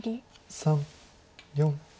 ３４。